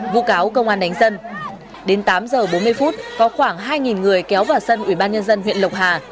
vụ cáo công an đánh dân đến tám h bốn mươi phút có khoảng hai người kéo vào sân ủy ban nhân dân huyện lộc hà